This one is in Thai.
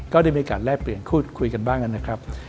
ก็ได้มีโอกาสแลกเปลี่ยนพูดคุยกันบ้างนะครับ